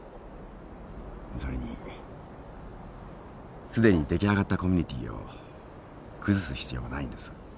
それにすでに出来上がったコミュニティーを崩す必要はないんです。